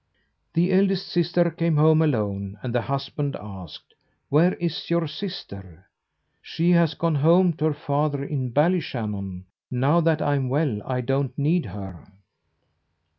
The eldest sister came home alone, and the husband asked, "Where is your sister?" "She has gone home to her father in Ballyshannon; now that I am well, I don't need her."